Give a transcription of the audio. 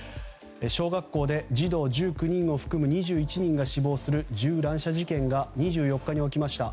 小学校で児童１９人を含む２１人が死亡する銃乱射事件が２４日に起きました。